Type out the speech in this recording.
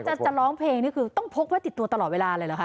จะร้องเพลงนี่คือต้องพกไว้ติดตัวตลอดเวลาเลยเหรอคะ